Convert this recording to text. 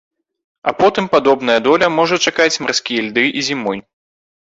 А потым падобная доля можа чакаць марскія льды і зімой.